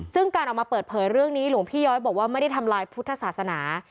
ซึ่งการออกมาเปิดเผยเรื่องนี้หลวงพี่ย้อยบอกว่าไม่ได้ทำลายพุทธศาสนา